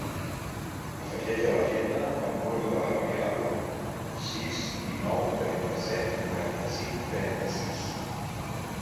Afegeix a l'agenda el número de la Gabriela Puerta: sis, dinou, trenta-set, noranta-cinc, trenta-sis.